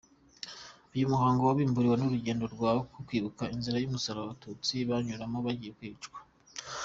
Uyu muhango wabimburiwe n’urugendo rwo kwibuka inzira y’umusaraba abatutsi banyuragamo bagiye kwicwa.